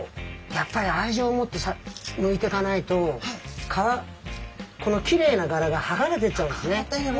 やっぱり愛情を持ってむいてかないとこのきれいながらがはがれていっちゃうんですね。